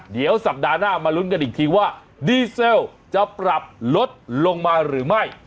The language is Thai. เดี๋ยวสัปดาห์หน้ามาลุ้นกันอีกทีว่าดีเซลจะปรับลดลงมาหรือไม่